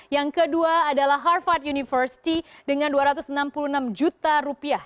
yang kedua adalah harvard university dengan dua ratus enam puluh enam juta rupiah